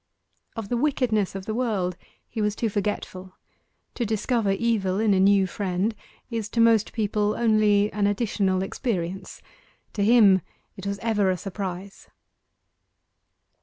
Of the wickedness of the world he was too forgetful. To discover evil in a new friend is to most people only an additional experience: to him it was ever a surprise.